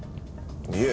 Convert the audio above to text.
いえ。